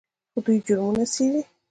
دوی جرمونه څیړي.